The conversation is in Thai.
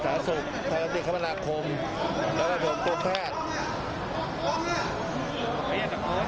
สร้างฤทธิศาสตร์ธรรมดาคมและก็ผมกรมแพทย์